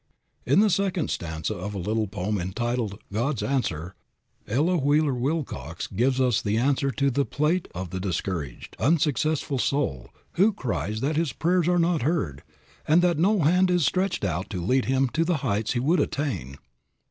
In the second stanza of a little poem entitled "God's Answer," Ella Wheeler Wilcox gives us the answer to the plaint of the discouraged, unsuccessful soul, who cries that his prayers are not heard, and that no hand is stretched out to lead him to the heights he would attain.